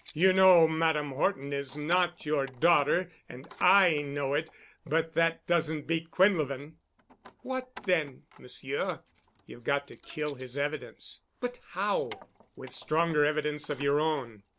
"You know Madame Horton is not your daughter and I know it, but that doesn't beat Quinlevin." "What then, Monsieur?" "You've got to kill his evidence." "But how?" "With stronger evidence of your own.